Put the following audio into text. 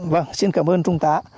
vâng xin cảm ơn trung tá